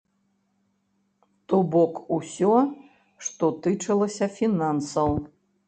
То бок усё, што тычылася фінансаў.